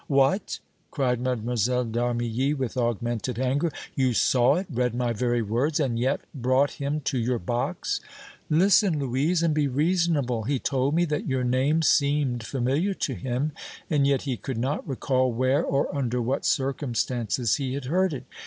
"What!" cried Mlle. d' Armilly, with augmented anger. "You saw it, read my very words, and yet brought him to your box?" "Listen, Louise, and be reasonable. He told me that your name seemed familiar to him and yet he could not recall where or under what circumstances he had heard it.